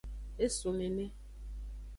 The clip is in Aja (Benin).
Esun nene.